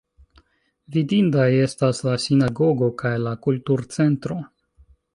Vidindaj estas la Sinagogo kaj la Kulturcentro.